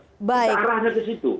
kita arahnya ke situ